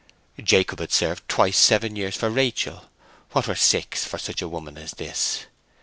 Jacob had served twice seven years for Rachel: what were six for such a woman as this?